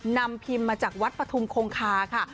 นำพิมพ์มาจากวัดปฐุมคงคาค่ะ